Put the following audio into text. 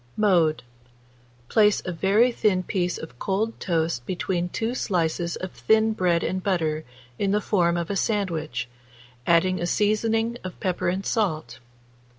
Mode. Place a very thin piece of cold toast between 2 slices of thin bread and butter in the form of a sandwich, adding a seasoning of pepper and salt.